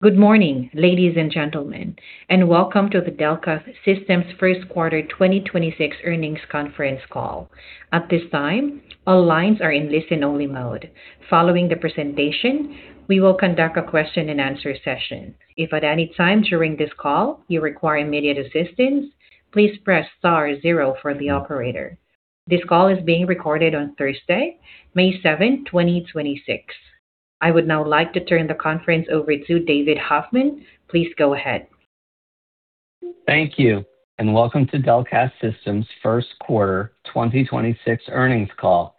Good morning, ladies and gentlemen, and welcome to the Delcath Systems First Quarter 2026 Earnings Conference Call. I would now like to turn the conference over to David Hoffman. Please go ahead. Thank you. Welcome to Delcath Systems First Quarter 2026 Earnings Call.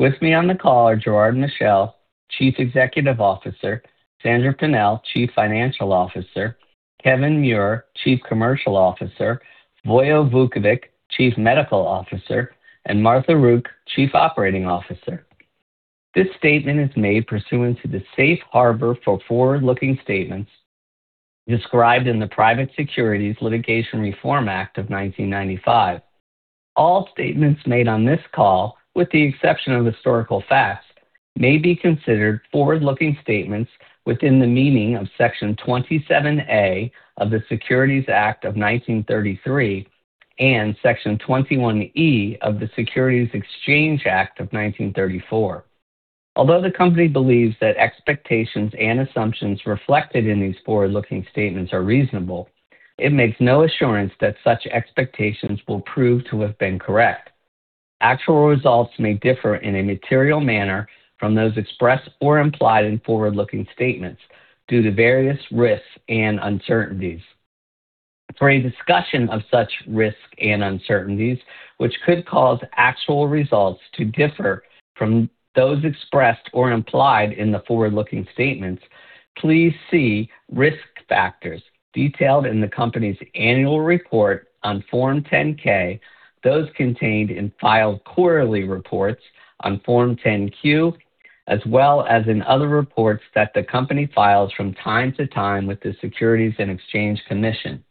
With me on the call are Gerard Michel, Chief Executive Officer; Sandra Pennell, Chief Financial Officer; Kevin Muir, Chief Commercial Officer; Vojislav Vukovic, Chief Medical Officer; and Martha Rook, Chief Operating Officer. This statement is made pursuant to the safe harbor for forward-looking statements described in the Private Securities Litigation Reform Act of 1995. All statements made on this call, with the exception of historical facts, may be considered forward-looking statements within the meaning of Section 27A of the Securities Act of 1933 and Section 21E of the Securities Exchange Act of 1934. Although the company believes that expectations and assumptions reflected in these forward-looking statements are reasonable, it makes no assurance that such expectations will prove to have been correct. Actual results may differ in a material manner from those expressed or implied in forward-looking statements due to various risks and uncertainties. For a discussion of such risks and uncertainties which could cause actual results to differ from those expressed or implied in the forward-looking statements, please see risk factors detailed in the company's annual report on Form 10-K, those contained in filed quarterly reports on Form 10-Q, as well as in other reports that the company files from time to time with the Securities and Exchange Commission.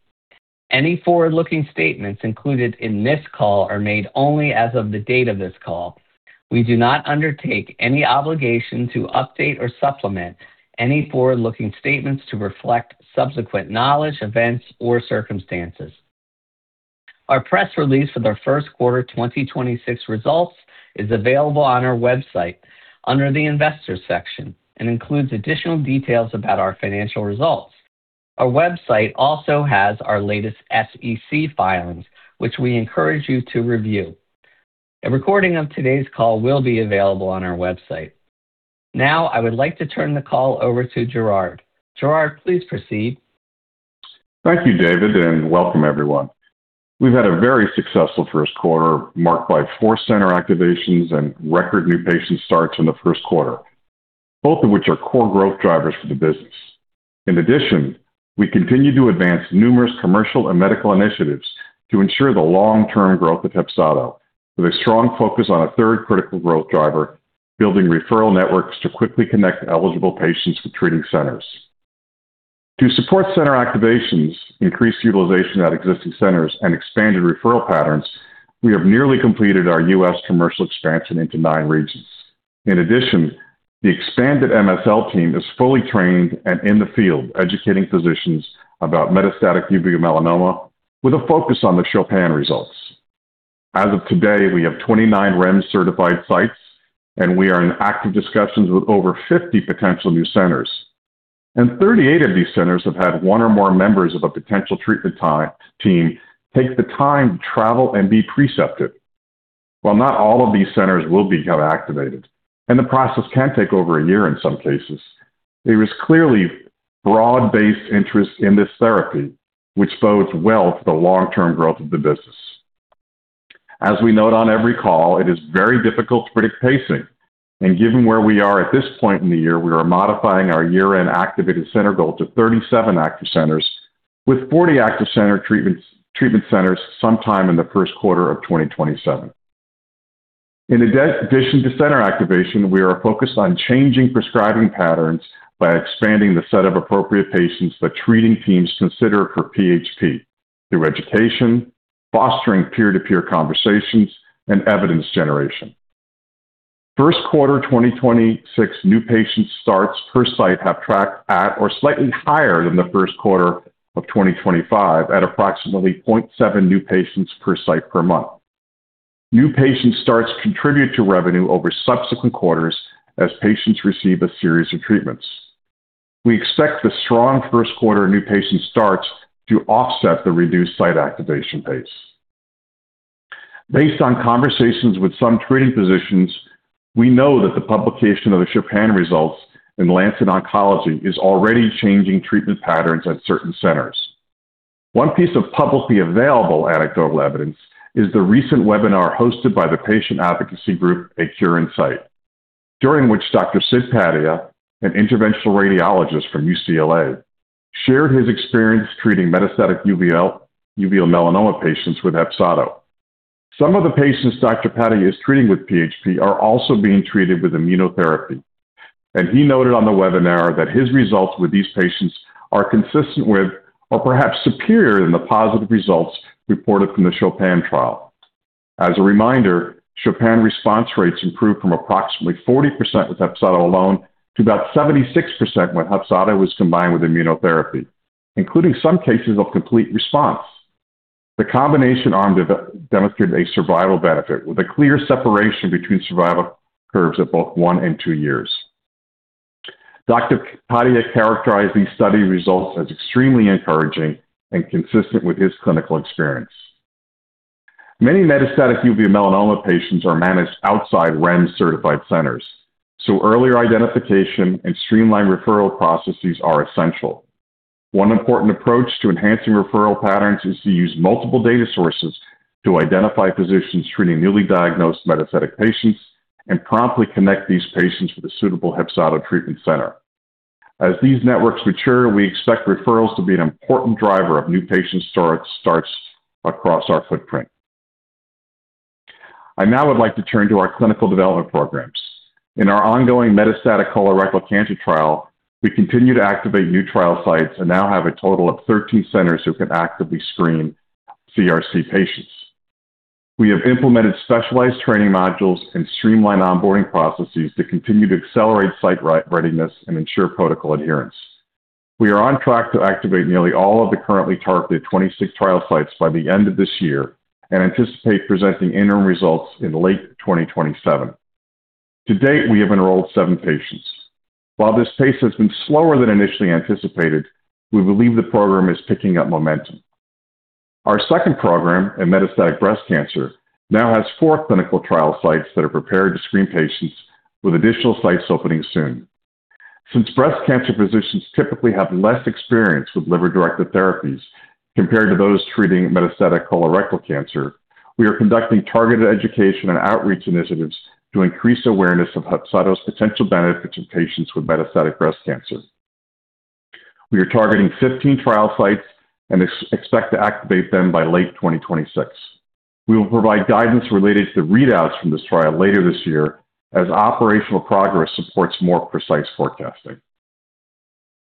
Any forward-looking statements included in this call are made only as of the date of this call. We do not undertake any obligation to update or supplement any forward-looking statements to reflect subsequent knowledge, events, or circumstances. Our press release for the first quarter 2026 results is available on our website under the Investors section and includes additional details about our financial results. Our website also has our latest SEC filings, which we encourage you to review. A recording of today's call will be available on our website. I would like to turn the call over to Gerard. Gerard, please proceed. Thank you, David, and welcome everyone. We've had a very successful first quarter marked by four center activations and record new patient starts in the first quarter, both of which are core growth drivers for the business. We continue to advance numerous commercial and medical initiatives to ensure the long-term growth of HEPZATO with a strong focus on a third critical growth driver, building referral networks to quickly connect eligible patients to treating centers. To support center activations, increased utilization at existing centers, and expanded referral patterns, we have nearly completed our U.S. commercial expansion into nine regions. The expanded MSL team is fully trained and in the field educating physicians about metastatic uveal melanoma with a focus on the CHOPIN results. As of today, we have 29 REMS certified sites, and we are in active discussions with over 50 potential new centers. 38 of these centers have had one or more members of a potential treatment team take the time to travel and be precepted. While not all of these centers will become activated, and the process can take over one year in some cases, there is clearly broad-based interest in this therapy, which bodes well for the long-term growth of the business. As we note on every call, it is very difficult to predict pacing, and given where we are at this point in the year, we are modifying our year-end activated center goal to 37 active centers with 40 active treatment centers sometime in the first quarter of 2027. In addition to center activation, we are focused on changing prescribing patterns by expanding the set of appropriate patients that treating teams consider for PHP through education, fostering peer-to-peer conversations, and evidence generation. First quarter 2026 new patient starts per site have tracked at or slightly higher than the first quarter of 2025 at approximately 0.7 new patients per site per month. New patient starts contribute to revenue over subsequent quarters as patients receive a series of treatments. We expect the strong first quarter new patient starts to offset the reduced site activation pace. Based on conversations with some treating physicians, we know that the publication of the CHOPIN results in The Lancet Oncology is already changing treatment patterns at certain centers. One piece of publicly available anecdotal evidence is the recent webinar hosted by the patient advocacy group A Cure in Sight, during which Dr. Siddharth Padia, an interventional radiologist from UCLA, shared his experience treating metastatic uveal melanoma patients with HEPZATO. Some of the patients Dr. Padia is treating with PHP are also being treated with immunotherapy. He noted on the webinar that his results with these patients are consistent with or perhaps superior than the positive results reported from the CHOPIN trial. As a reminder, CHOPIN response rates improved from approximately 40% with HEPZATO alone to about 76% when HEPZATO was combined with immunotherapy, including some cases of complete response. The combination arm demonstrated a survival benefit with a clear separation between survival curves at both 1 and 2 years. Dr. Padia characterized these study results as extremely encouraging and consistent with his clinical experience. Many Metastatic Uveal Melanoma patients are managed outside REMS certified centers, earlier identification and streamlined referral processes are essential. One important approach to enhancing referral patterns is to use multiple data sources to identify physicians treating newly diagnosed metastatic patients and promptly connect these patients with a suitable HEPZATO treatment center. As these networks mature, we expect referrals to be an important driver of new patient starts across our footprint. I now would like to turn to our clinical development programs. In our ongoing metastatic colorectal cancer trial, we continue to activate new trial sites and now have a total of 13 centers who can actively screen CRC patients. We have implemented specialized training modules and streamlined onboarding processes to continue to accelerate site re-readiness and ensure protocol adherence. We are on track to activate nearly all of the currently targeted 26 trial sites by the end of this year and anticipate presenting interim results in late 2027. To date, we have enrolled seven patients. While this pace has been slower than initially anticipated, we believe the program is picking up momentum. Our second program in metastatic breast cancer now has four clinical trial sites that are prepared to screen patients, with additional sites opening soon. Since breast cancer physicians typically have less experience with liver-directed therapies compared to those treating metastatic colorectal cancer, we are conducting targeted education and outreach initiatives to increase awareness of HEPZATO's potential benefits in patients with metastatic breast cancer. We are targeting 15 trial sites and expect to activate them by late 2026. We will provide guidance related to the readouts from this trial later this year as operational progress supports more precise forecasting.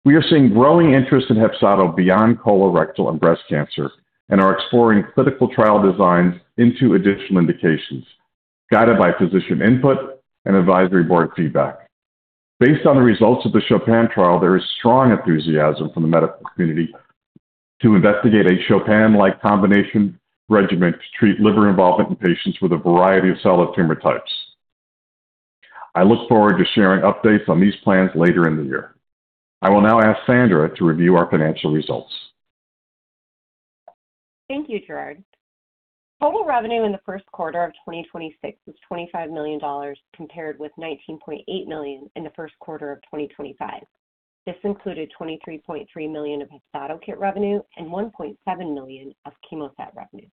We are seeing growing interest in HEPZATO beyond colorectal and breast cancer and are exploring clinical trial designs into additional indications, guided by physician input and advisory board feedback. Based on the results of the CHOPIN trial, there is strong enthusiasm from the medical community to investigate a CHOPIN-like combination regimen to treat liver involvement in patients with a variety of solid tumor types. I look forward to sharing updates on these plans later in the year. I will now ask Sandra to review our financial results. Thank you, Gerard. Total revenue in the first quarter of 2026 was $25 million, compared with $19.8 million in the first quarter of 2025. This included $23.3 million of HEPZATO KIT revenue and $1.7 million of CHEMOSAT revenue.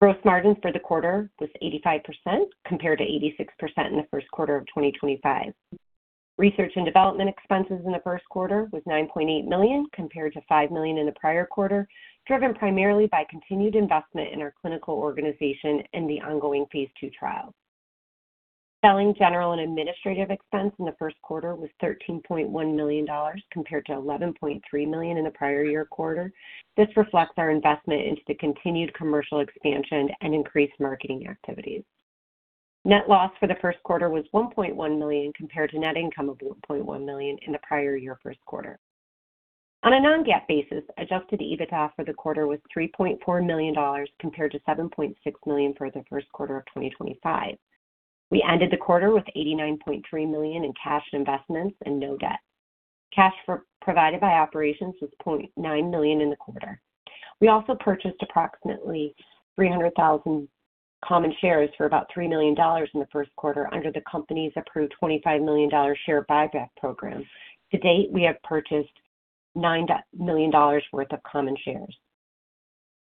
Gross margin for the quarter was 85%, compared to 86% in the first quarter of 2025. Research and development expenses in the first quarter was $9.8 million, compared to $5 million in the prior quarter, driven primarily by continued investment in our clinical organization and the ongoing phase II trial. Selling, general, and administrative expense in the first quarter was $13.1 million, compared to $11.3 million in the prior year quarter. This reflects our investment into the continued commercial expansion and increased marketing activities. Net loss for the first quarter was $1.1 million, compared to net income of $1.1 million in the prior year first quarter. On a non-GAAP basis, adjusted EBITDA for the quarter was $3.4 million, compared to $7.6 million for the first quarter of 2025. We ended the quarter with $89.3 million in cash and investments and no debt. Cash provided by operations was $0.9 million in the quarter. We also purchased approximately 300,000 common shares for about $3 million in the first quarter under the company's approved $25 million share buyback program. To date, we have purchased $9 million worth of common shares.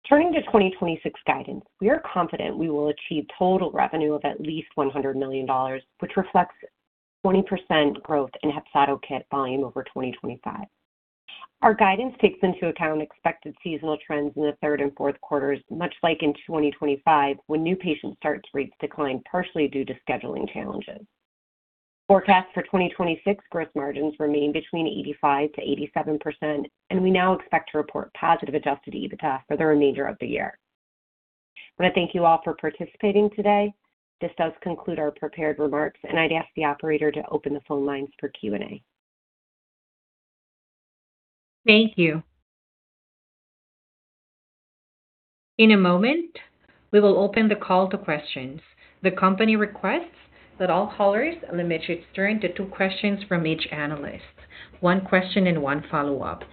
Turning to 2026 guidance, we are confident we will achieve total revenue of at least $100 million, which reflects 20% growth in HEPZATO KIT volume over 2025. Our guidance takes into account expected seasonal trends in the third and fourth quarters, much like in 2025 when new patient starts rates declined partially due to scheduling challenges. Forecasts for 2026 gross margins remain between 85%-87%, and we now expect to report positive adjusted EBITDA for the remainder of the year. I want to thank you all for participating today. This does conclude our prepared remarks, and I'd ask the operator to open the phone lines for Q&A. Thank you. In a moment, we will open the call to questions. The company requests that all callers limit each turn to two questions from each analyst, one question and one follow-up.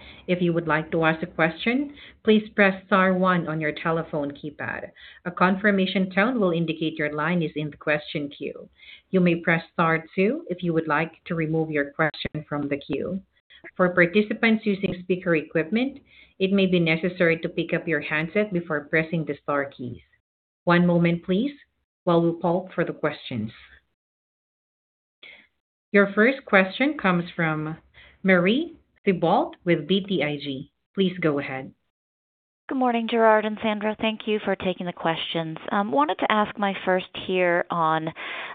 Your first question comes from Marie Thibault with BTIG. Please go ahead. Good morning, Gerard and Sandra. Thank you for taking the questions. I wanted to ask my first here on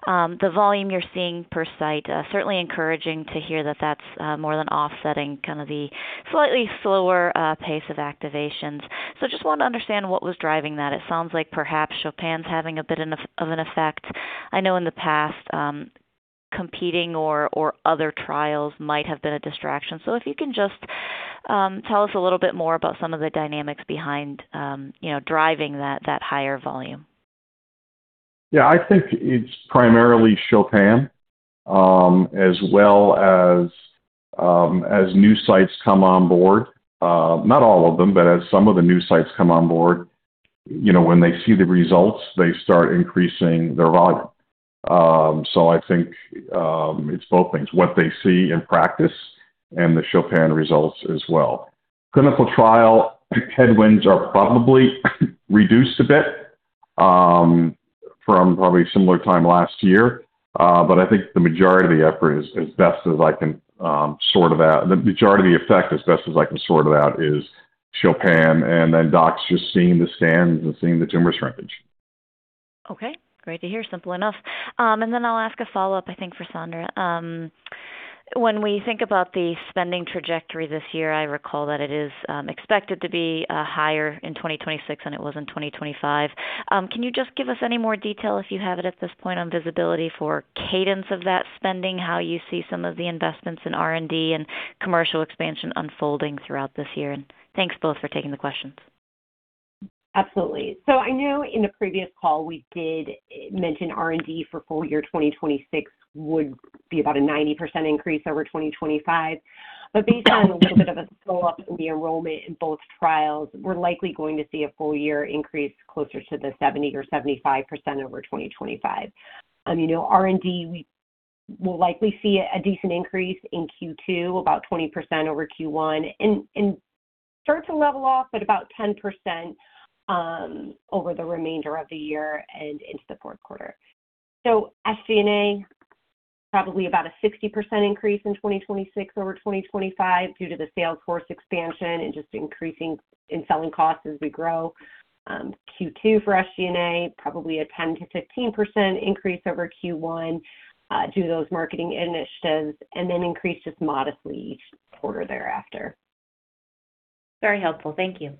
the volume you're seeing per site. Certainly encouraging to hear that that's more than offsetting kind of the slightly slower pace of activations. I just wanted to understand what was driving that. It sounds like perhaps CHOPIN's having a bit of an effect. I know in the past. Competing or other trials might have been a distraction. If you can just tell us a little bit more about some of the dynamics behind, you know, driving that higher volume. Yeah. I think it's primarily CHOPIN, as well as new sites come on board. Not all of them, as some of the new sites come on board, you know, when they see the results, they start increasing their volume. I think it's both things, what they see in practice and the CHOPIN results as well. Clinical trial headwinds are probably reduced a bit from probably a similar time last year. I think the majority of the effort is as best as I can sort it out. The majority of the effect, as best as I can sort it out, is CHOPIN and then docs just seeing the scans and seeing the tumor shrinkage. Okay. Great to hear. Simple enough. I'll ask a follow-up, I think, for Sandra. When we think about the spending trajectory this year, I recall that it is expected to be higher in 2026 than it was in 2025. Can you just give us any more detail, if you have it at this point, on visibility for cadence of that spending, how you see some of the investments in R&D and commercial expansion unfolding throughout this year? Thanks both for taking the questions. Absolutely. I know in a previous call we did mention R&D for full year 2026 would be about a 90% increase over 2025. Based on a little bit of a slow up in the enrollment in both trials, we're likely going to see a full year increase closer to the 70% or 75% over 2025. You know, R&D, we will likely see a decent increase in Q2, about 20% over Q1, and start to level off at about 10% over the remainder of the year and into the fourth quarter. SG&A, probably about a 60% increase in 2026 over 2025 due to the sales force expansion and just increasing in selling costs as we grow. Q2 for SG&A, probably a 10%-15% increase over Q1, due to those marketing initiatives, and then increases modestly each quarter thereafter. Very helpful. Thank you.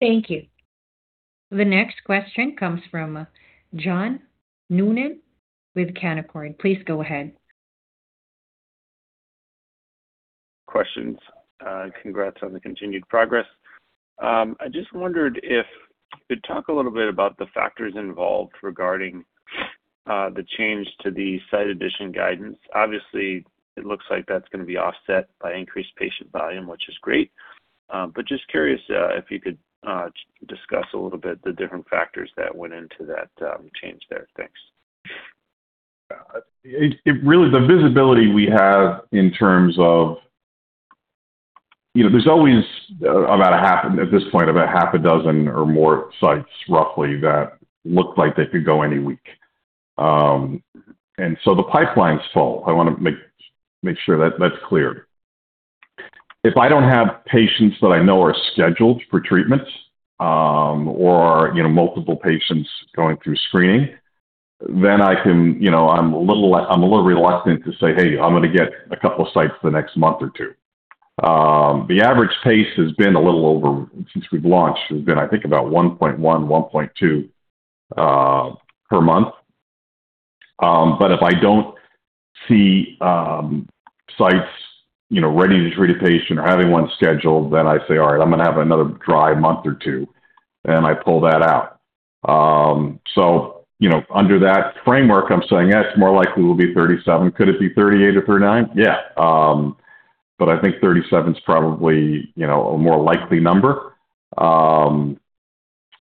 Thank you. The next question comes from John Newman with Canaccord. Please go ahead. Questions. Congrats on the continued progress. I just wondered if you could talk a little bit about the factors involved regarding the change to the site addition guidance. Obviously, it looks like that's gonna be offset by increased patient volume, which is great. Just curious, if you could discuss a little bit the different factors that went into that, change there. Thanks. It really, The visibility we have in terms of, you know, there's always about half a dozen or more sites roughly that look like they could go any week. The pipeline's full. I wanna make sure that that's clear. If I don't have patients that I know are scheduled for treatments, or, you know, multiple patients going through screening, then I can, you know, I'm a little reluctant to say, "Hey, I'm gonna get a couple sites the next month or two." The average pace has been a little over, since we've launched, has been, I think, about 1.1.2 per month. If I don't see, sites, you know, ready to treat a patient or having one scheduled, then I say, "All right, I'm gonna have another dry month or two," and I pull that out. You know, under that framework, I'm saying, yes, more likely we'll be 37. Could it be 38 or 39? Yeah. I think 37's probably, you know, a more likely number.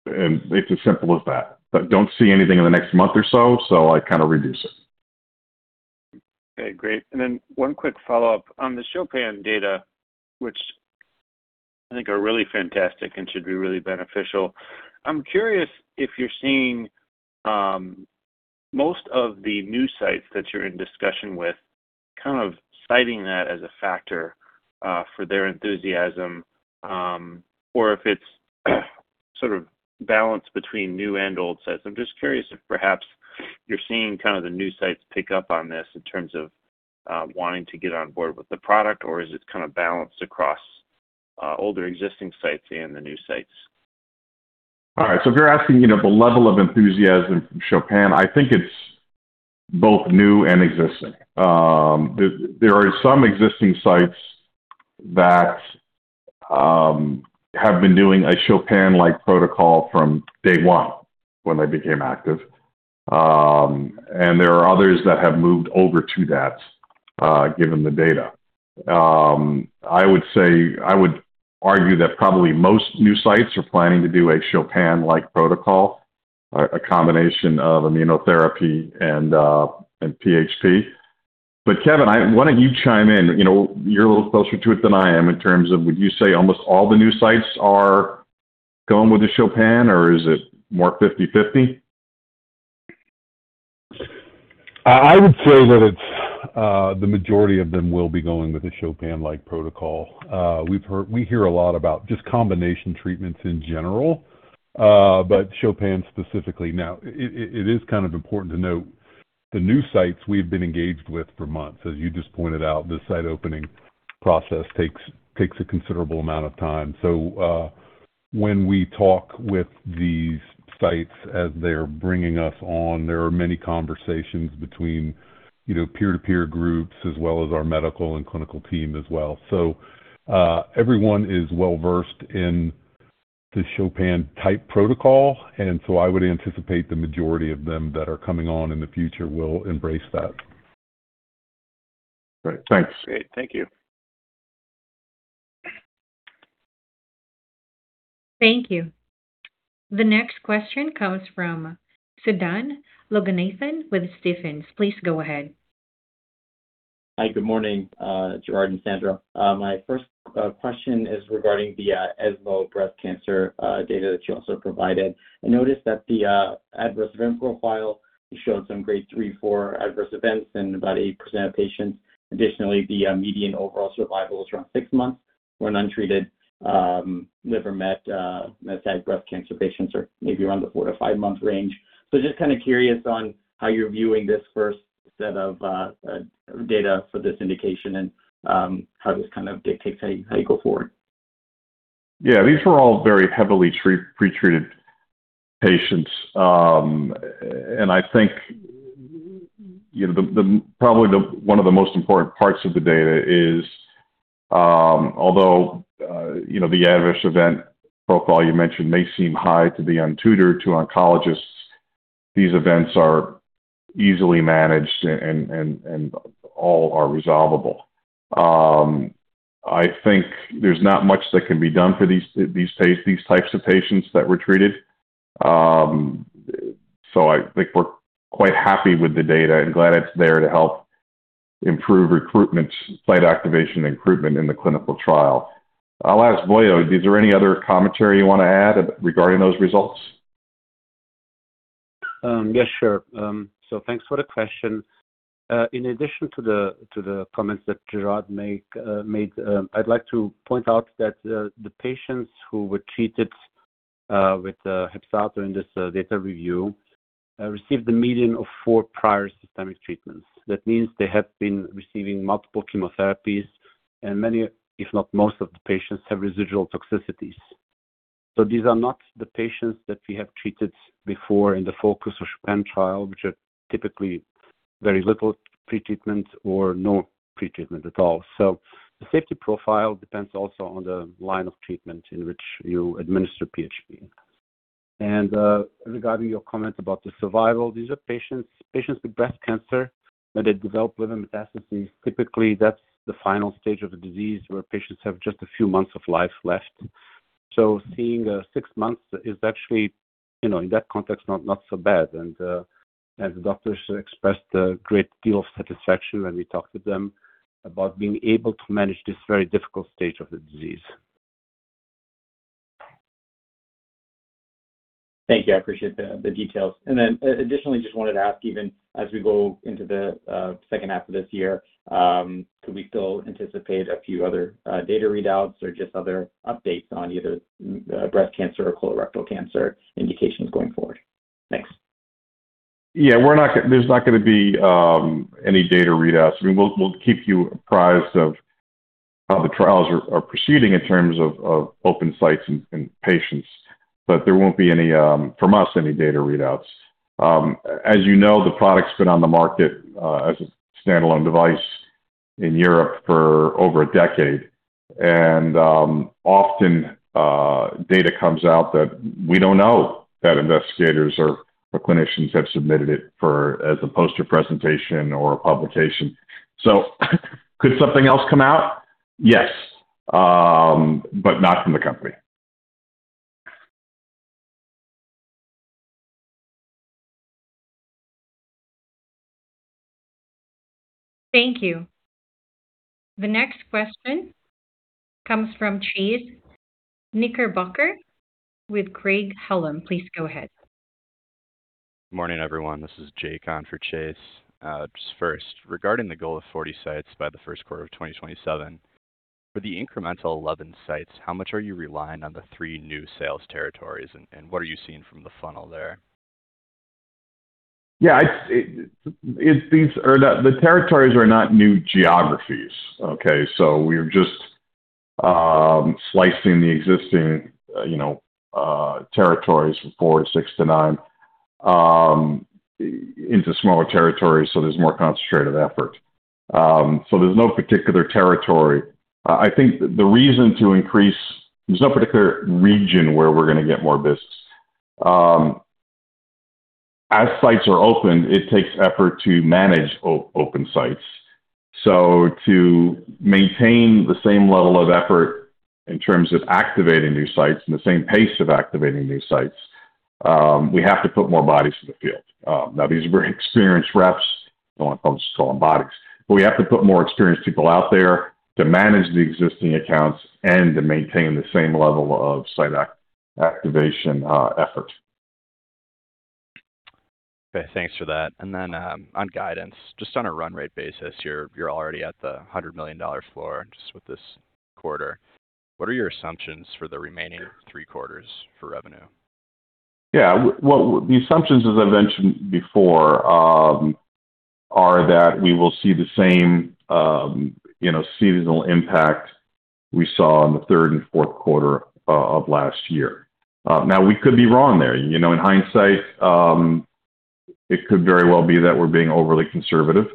It's as simple as that. If I don't see anything in the next month or so I kinda reduce it. Okay, great. One quick follow-up. On the CHOPIN data, which I think are really fantastic and should be really beneficial, I'm curious if you're seeing most of the new sites that you're in discussion with kind of citing that as a factor for their enthusiasm, or if it's sort of balanced between new and old sites. I'm just curious if perhaps you're seeing kind of the new sites pick up on this in terms of wanting to get on board with the product, or is it kind of balanced across older existing sites and the new sites? All right. If you're asking, you know, the level of enthusiasm from CHOPIN, I think it's both new and existing. There are some existing sites that have been doing a CHOPIN-like protocol from day one when they became active. And there are others that have moved over to that given the data. I would argue that probably most new sites are planning to do a CHOPIN-like protocol, a combination of immunotherapy and PHP. Kevin, why don't you chime in? You know, you're a little closer to it than I am in terms of would you say almost all the new sites are going with the CHOPIN, or is it more fifty-fifty? I would say that it's, the majority of them will be going with a CHOPIN-like protocol. We hear a lot about just combination treatments in general, but CHOPIN specifically. It is kind of important to note the new sites we've been engaged with for months. As you just pointed out, the site opening process takes a considerable amount of time. When we talk with these sites as they're bringing us on, there are many conversations between, you know, peer-to-peer groups as well as our medical and clinical team as well. Everyone is well-versed in the CHOPIN-type protocol, I would anticipate the majority of them that are coming on in the future will embrace that. Great. Thanks. Great. Thank you. Thank you. The next question comes from Sudan Loganathan with Stephens. Please go ahead. Hi. Good morning, Gerard and Sandra. My first question is regarding the ESMO breast cancer data that you also provided. I noticed that the adverse event profile showed some grade 3, 4 adverse events in about 8% of patients. Additionally, the median overall survival is around six months for an untreated liver met, metastatic breast cancer patients, or maybe around the four-five month range. Just kinda curious on how you're viewing this first set of data for this indication and how this kind of dictates how you, how you go forward. Yeah. These were all very heavily pretreated patients. I think, you know, the, probably the, one of the most important parts of the data is, although, you know, the adverse event profile you mentioned may seem high to the untutored to oncologists, these events are easily managed and all are resolvable. I think there's not much that can be done for these types of patients that were treated. I think we're quite happy with the data and glad it's there to help improve recruitment, site activation and recruitment in the clinical trial. I'll ask Vojo, is there any other commentary you wanna add regarding those results? Yes, sure. Thanks for the question. In addition to the comments that Gerard made, I'd like to point out that the patients who were treated with HEPZATO in this data review received a median of four prior systemic treatments. That means they have been receiving multiple chemotherapies, and many, if not most, of the patients have residual toxicities. These are not the patients that we have treated before in the focus of CHOPIN trial, which are typically very little pretreatment or no pretreatment at all. The safety profile depends also on the line of treatment in which you administer PHP. Regarding your comment about the survival, these are patients with breast cancer, when they develop liver metastases, typically that's the final stage of the disease where patients have just a few months of life left. Seeing six months is actually, you know, in that context, not so bad. The doctors expressed a great deal of satisfaction when we talked to them about being able to manage this very difficult stage of the disease. Thank you. I appreciate the details. Additionally, just wanted to ask, even as we go into the second half of this year, could we still anticipate a few other data readouts or just other updates on either breast cancer or colorectal cancer indications going forward? Thanks. Yeah. There's not gonna be any data readouts. I mean, we'll keep you apprised of how the trials are proceeding in terms of open sites and patients. There won't be any from us, any data readouts. As you know, the product's been on the market as a standalone device in Europe for over a decade. Often, data comes out that we don't know that investigators or clinicians have submitted it for as a poster presentation or a publication. Could something else come out? Yes. Not from the company. Thank you. The next question comes from Chase Knickerbocker with Craig-Hallum. Please go ahead. Morning, everyone. This is Jake on for Chase. Just first, regarding the goal of 40 sites by the first quarter of 2027, for the incremental 11 sites, how much are you relying on the three new sales territories, and what are you seeing from the funnel there? Yeah. The territories are not new geographies, okay? We're just slicing the existing, you know, territories, four, six to nine, into smaller territories so there's more concentrated effort. There's no particular territory. There's no particular region where we're gonna get more business. As sites are opened, it takes effort to manage open sites. To maintain the same level of effort in terms of activating new sites and the same pace of activating new sites, we have to put more bodies in the field. Now these are very experienced reps. Don't wanna call, just call them bodies. We have to put more experienced people out there to manage the existing accounts and to maintain the same level of site activation effort. Okay. Thanks for that. On guidance, just on a run rate basis, you're already at the $100 million floor just with this quarter. What are your assumptions for the remaining three quarters for revenue? Yeah. Well, the assumptions, as I mentioned before, are that we will see the same, you know, seasonal impact we saw in the third and fourth quarter of last year. We could be wrong there. You know, in hindsight, it could very well be that we're being overly conservative.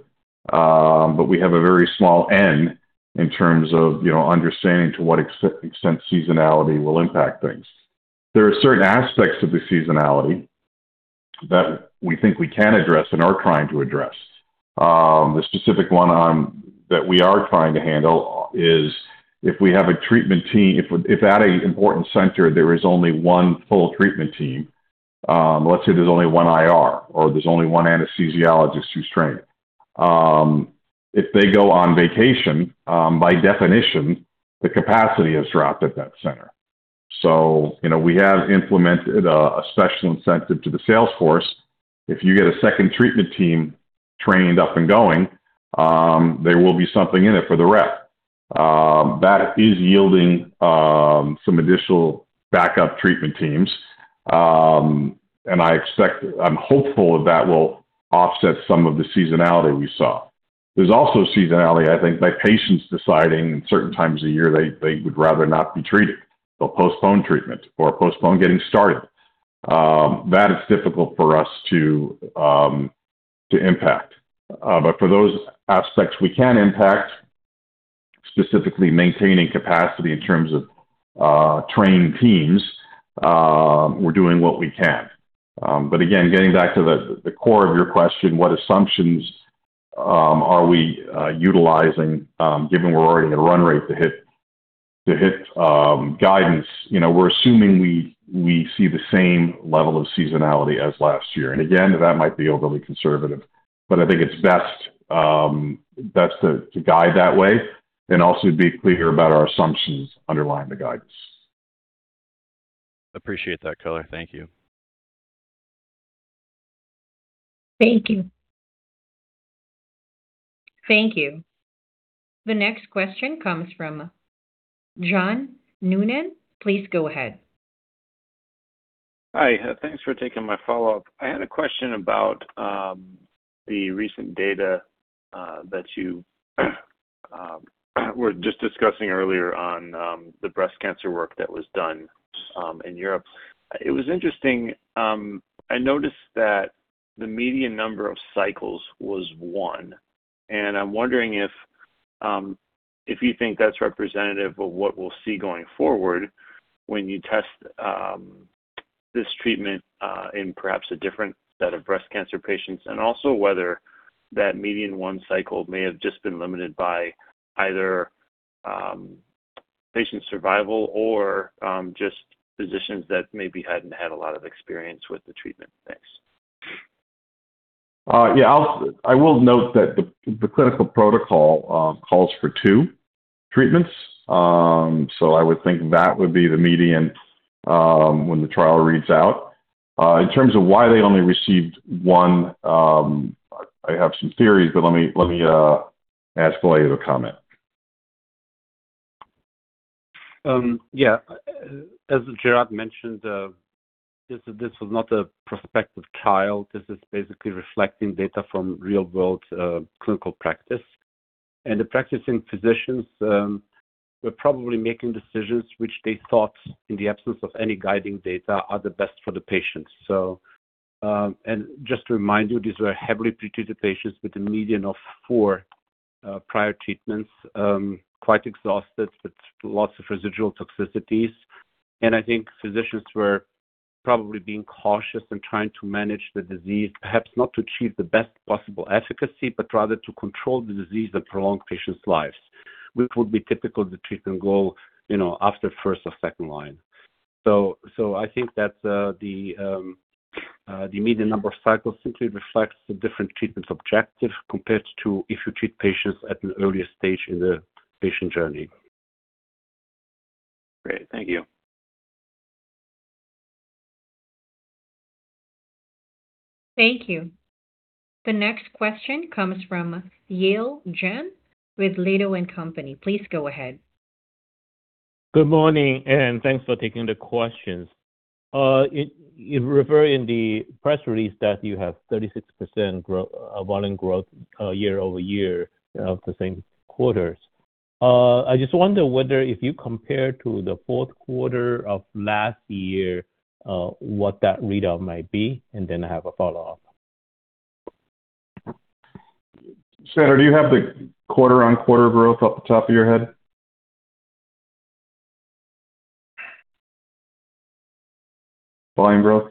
We have a very small N in terms of, you know, understanding to what extent seasonality will impact things. There are certain aspects of the seasonality that we think we can address and are trying to address. The specific one that we are trying to handle is if we have a treatment team. If at a important center there is only one full treatment team, let's say there's only one IR or there's only one anesthesiologist who's trained, if they go on vacation, by definition, the capacity has dropped at that center. You know, we have implemented a special incentive to the sales force. If you get a second treatment team trained, up and going, there will be something in it for the rep. That is yielding some additional backup treatment teams. I'm hopeful that will offset some of the seasonality we saw. There's also seasonality, I think, by patients deciding in certain times of year they would rather not be treated. They'll postpone treatment or postpone getting started. That is difficult for us to impact. For those aspects we can impact, specifically maintaining capacity in terms of trained teams, we're doing what we can. Again, getting back to the core of your question, what assumptions are we utilizing, given we're already gonna run rate to hit guidance? You know, we're assuming we see the same level of seasonality as last year. Again, that might be overly conservative, but I think it's best to guide that way and also be clear about our assumptions underlying the guidance. Appreciate that color. Thank you. Thank you. Thank you. The next question comes from John Newman. Please go ahead. Hi. Thanks for taking my follow-up. I had a question about the recent data that you were just discussing earlier on the breast cancer work that was done in Europe. It was interesting, I noticed that the median number of cycles was one, and I'm wondering if you think that's representative of what we'll see going forward when you test this treatment in perhaps a different set of breast cancer patients, and also whether that median one cycle may have just been limited by either patient survival or just physicians that maybe hadn't had a lot of experience with the treatment. Thanks. Yeah. I will note that the clinical protocol calls for two treatments. I would think that would be the median when the trial reads out. In terms of why they only received one, I have some theories, but let me ask Vojo to comment. As Gerard mentioned, this was not a prospective trial. This is basically reflecting data from real world clinical practice. The practicing physicians were probably making decisions which they thought, in the absence of any guiding data, are the best for the patients. Just to remind you, these were heavily pre-treated patients with a median of four prior treatments, quite exhausted with lots of residual toxicities. I think physicians were probably being cautious in trying to manage the disease, perhaps not to achieve the best possible efficacy, but rather to control the disease and prolong patients' lives, which would be typical of the treatment goal, you know, after first or second line. I think that the median number of cycles simply reflects the different treatment objective compared to if you treat patients at an earlier stage in the patient journey. Great. Thank you. Thank you. The next question comes from Yilun Jin with Lido & Co. Please go ahead. Good morning. Thanks for taking the questions. You refer in the press release that you have 36% volume growth year-over-year for same quarters. I just wonder whether if you compare to the fourth quarter of last year, what that readout might be, and then I have a follow-up. Sandra, do you have the quarter-on-quarter growth off the top of your head? Volume growth?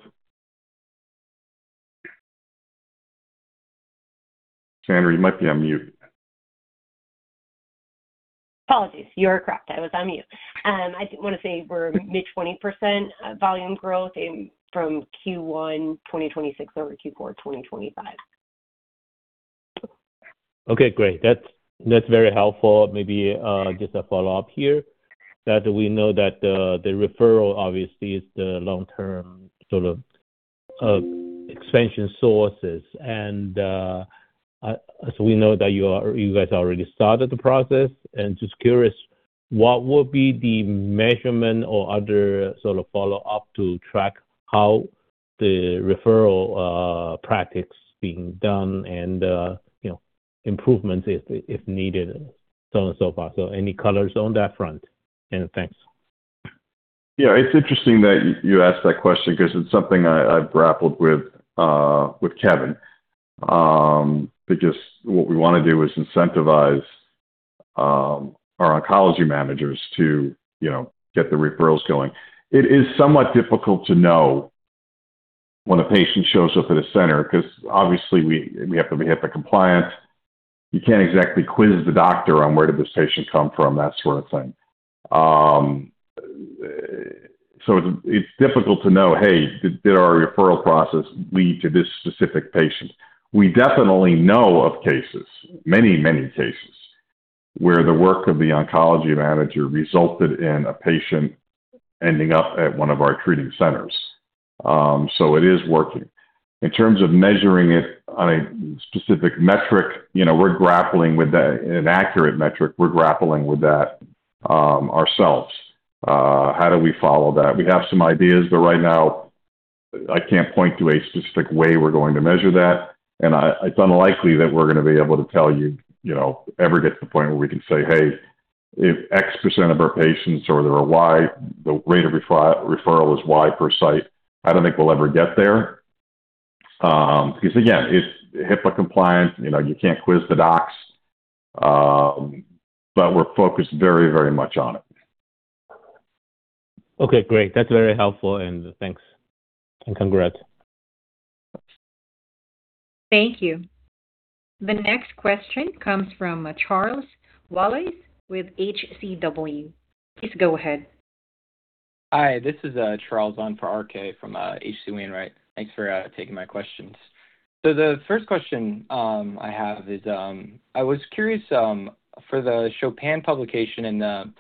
Sandra, you might be on mute. Apologies. You are correct. I was on mute. I just want to say we're mid-20% volume growth from Q1 2026 over Q4 2025. Okay, great. That's very helpful. Maybe, just a follow-up here, that we know that the referral obviously is the long-term sort of- Of expansion sources. We know that you guys already started the process. Just curious, what will be the measurement or other sort of follow-up to track how the referral practice being done and, you know, improvements if needed, so on and so forth? Any colors on that front? Thanks. Yeah. It's interesting that you asked that question 'cause it's something I've grappled with with Kevin. What we wanna do is incentivize our oncology managers to, you know, get the referrals going. It is somewhat difficult to know when a patient shows up at a center 'cause obviously we have to be HIPAA compliant. You can't exactly quiz the doctor on where did this patient come from, that sort of thing. It's difficult to know, hey, did our referral process lead to this specific patient? We definitely know of cases, many cases, where the work of the oncology manager resulted in a patient ending up at one of our treating centers. It is working. In terms of measuring it on a specific metric, you know, we're grappling with that. In an accurate metric, we're grappling with that ourselves. How do we follow that? We have some ideas, but right now I can't point to a specific way we're going to measure that. It's unlikely that we're gonna be able to tell you know, ever get to the point where we can say, "Hey, if X% of our patients or there are Y, the rate of referral is Y per site." I don't think we'll ever get there, because again, it's HIPAA compliant. You know, you can't quiz the docs. We're focused very, very much on it. Okay, great. That's very helpful, and thanks. Congrats. Thank you. The next question comes from Charles Wallace with HCW. Please go ahead. Hi, this is Charles on for RK from H.C. Wainwright. Thanks for taking my questions. The first question I have is I was curious for the CHOPIN publication in the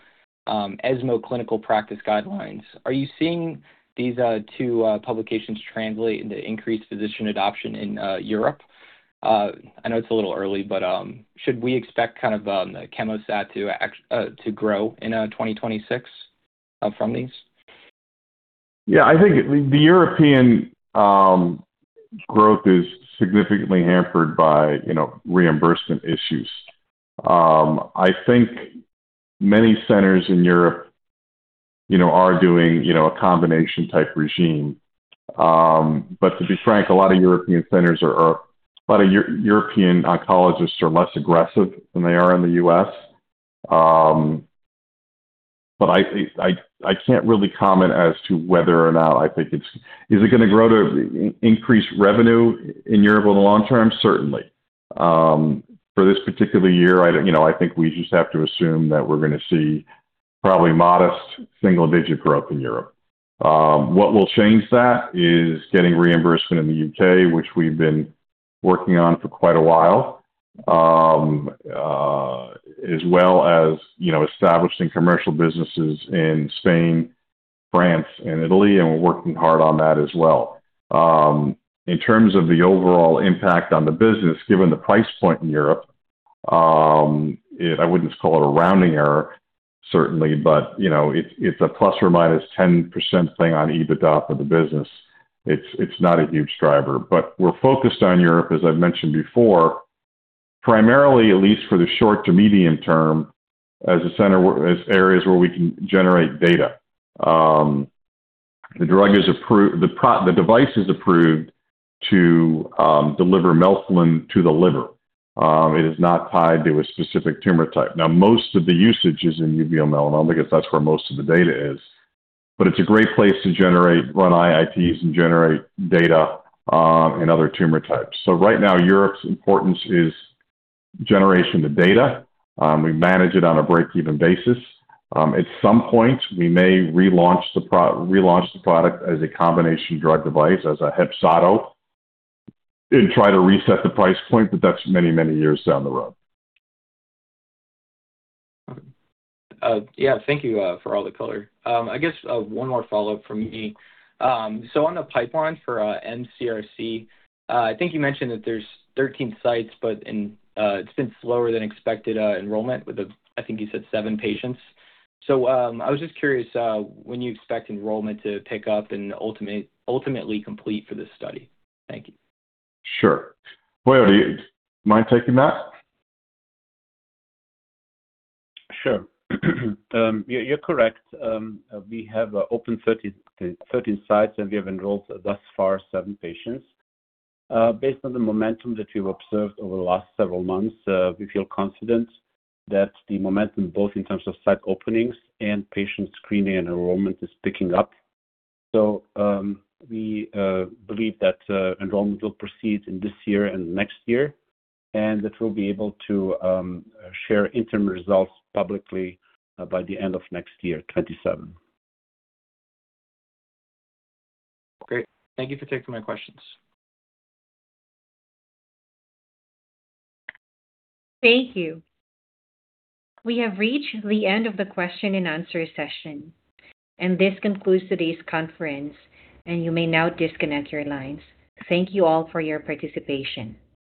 ESMO Clinical Practice Guidelines, are you seeing these two publications translate into increased physician adoption in Europe? I know it's a little early, but should we expect kind of the CHEMOSAT to grow in 2026 from these? Yeah. I think the European growth is significantly hampered by, you know, reimbursement issues. I think many centers in Europe, you know, are doing, you know, a combination type regime. But to be frank, a lot of European oncologists are less aggressive than they are in the U.S. But I, I can't really comment as to whether or not Is it gonna grow to increase revenue in Europe in the long term? Certainly. For this particular year, you know, I think we just have to assume that we're gonna see probably modest single-digit growth in Europe. What will change that is getting reimbursement in the U.K., which we've been working on for quite a while. As well as, you know, establishing commercial businesses in Spain, France, and Italy, and we're working hard on that as well. In terms of the overall impact on the business, given the price point in Europe, I wouldn't call it a rounding error certainly, but you know, it's a ±10% thing on EBITDA for the business. It's not a huge driver. We're focused on Europe, as I've mentioned before, primarily, at least for the short to medium term, as areas where we can generate data. The device is approved to deliver melphalan to the liver. It is not tied to a specific tumor type. Now, most of the usage is in Metastatic Uveal Melanoma, and I guess that's where most of the data is. It's a great place to generate, run IITs and generate data in other tumor types. Right now, Europe's importance is generation of data. We manage it on a break-even basis. At some point, we may relaunch the product as a combination drug device, as a HEPZATO, and try to reset the price point, but that's many, many years down the road. Yeah. Thank you for all the color. I guess one more follow-up from me. On the pipeline for MCRC, I think you mentioned that there's 13 sites, but it's been slower than expected enrollment with the, I think you said seven patients. I was just curious when you expect enrollment to pick up and ultimately complete for this study. Thank you. Sure. Vojo, you mind taking that? Sure. You're correct. We have opened 13 sites, and we have enrolled thus far seven patients. Based on the momentum that we've observed over the last several months, we feel confident that the momentum, both in terms of site openings and patient screening and enrollment, is picking up. We believe that enrollment will proceed in this year and next year, and that we'll be able to share interim results publicly by the end of next year, 2027. Okay. Thank you for taking my questions. Thank you. We have reached the end of the question and answer session. This concludes today's conference. You may now disconnect your lines. Thank you all for your participation.